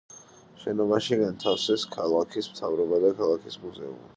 შენობაში განათავსეს ქალაქის მთავრობა და ქალაქის მუზეუმი.